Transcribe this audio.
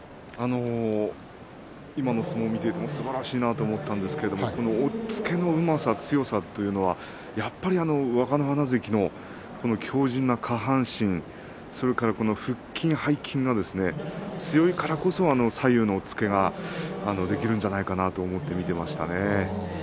今の相撲を見ていてもすばらしいなと思ったんですけど押っつけのうまさ強さというのはやっぱり若乃花関の強じんな下半身、それから腹筋背筋が強いからこそ左右の押っつけができるんじゃないかなと思って見ていましたね。